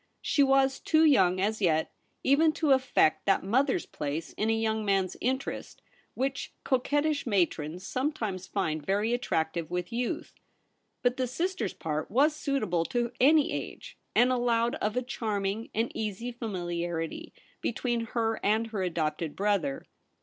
She was too young as yet even to affect that mother's place in a young man's interest which coquettish matrons sometimes find very attractive with youth. But the sister's part was suitable to any age, and allowed of a charming and easy fami liarity between her and her adopted brother.